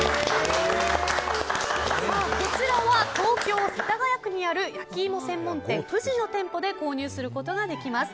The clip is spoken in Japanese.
こちらは東京・世田谷区にある焼き芋専門店ふじの店舗で購入することができます。